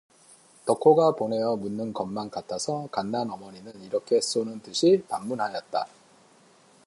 덕호가 보내어 묻는 것만 같아서 간난 어머니는 이렇게 쏘는 듯이 반문하였다.